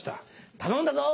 頼んだぞ！